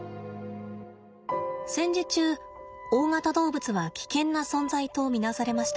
戦時中大型動物は危険な存在と見なされました。